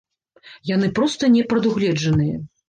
Яны проста не прадугледжаныя.